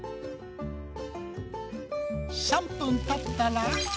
３分たったら。